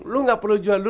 lo gak perlu jual